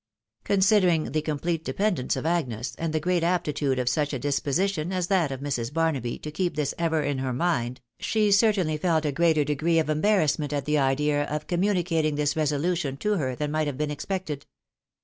\ Considering the complete dependence ef Agnes, and the great aptitude of such a disposition as that of Mrs. Barnaby to keep 'this ever in her mind, she certainly felt a greater degree of embarrassment at the idea of communicating this resolution to her than might have been expected.